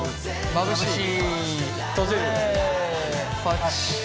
まぶしい。